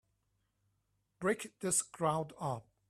Break this crowd up!